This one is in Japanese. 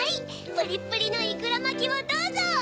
プリップリのいくらまきをどうぞ！